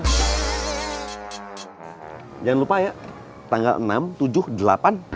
jangan lupa ya tanggal enam tujuh delapan